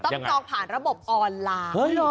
จองผ่านระบบออนไลน์